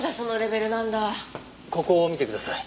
ここを見てください。